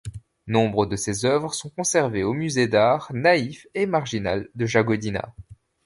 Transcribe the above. Nombre de ses œuvres sont conservées au Musée d'art naïf et marginal de Jagodina.